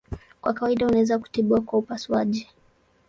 Kwa kawaida unaweza kutibiwa kwa upasuaji.